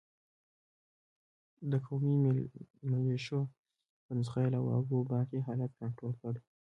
د قومي ملېشو په نسخه یې له واګو باغي حالت کنترول کړ.